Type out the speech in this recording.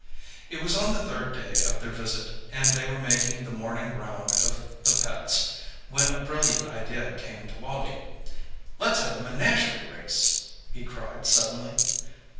It was on the third day of their visit, and they were making the morning round of the pets, when a brilliant idea came to Wally. "Let's have a menagerie race!" he cried suddenly.